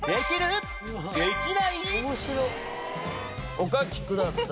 お書きください。